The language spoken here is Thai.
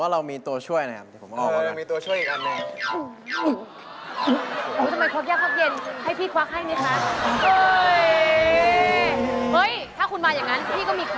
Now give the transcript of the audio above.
เอาไง